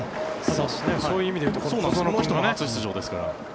そういう意味で言うと小園君も初出場ですから。